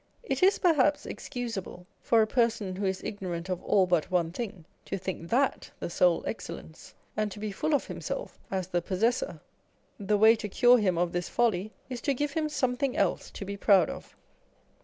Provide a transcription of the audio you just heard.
It is perhaps ex cusable for a person who is ignorant of all but one thing, to think that the sole excellence, and to be full of himself as the possessor. The way to cure him of this folly is to give him something else to be proud of.